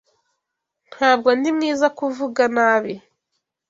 Ntabwo ndi mwiza kuvuga nabi